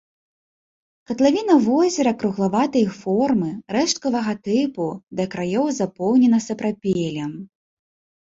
Катлавіна возера круглаватай формы, рэшткавага тыпу, да краёў запоўнена сапрапелем.